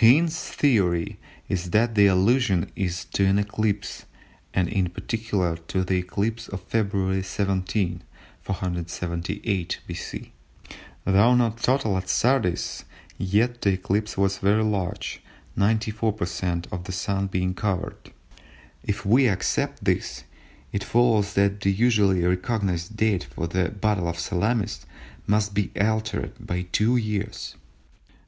Hind's theory is that the allusion is to an eclipse and in particular to the eclipse of February 17, 478 B.C. Though not total at Sardis yet the eclipse was very large, 94/100ths of the Sun being covered. If we accept this, it follows that the usually recognised date for the battle of Salamis must be altered by two years.